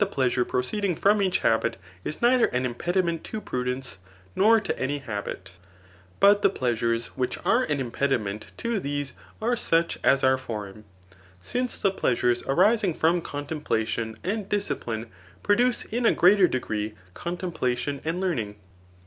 pleasure proceeding from each habit, is nather an impediment to prudence, nor to any habit; but the pleasures which are an impediment to these are such as are foreign ; since the pleasures arising from contemplation and discipline,' produce in a greaHber degree contemplation and learning.